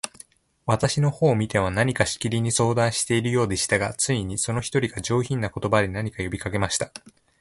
私の方を見ては、何かしきりに相談しているようでしたが、ついに、その一人が、上品な言葉で、何か呼びかけました。